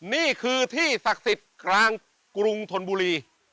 นี่คือที่ศักดิ์สิทธิ์กลางกรุงธนบุรี